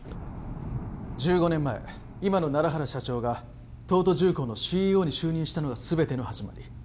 １５年前今の楢原社長が東都重工のＣＥＯに就任したのが全ての始まり